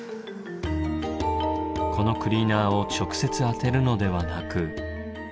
このクリーナーを直接当てるのではなく。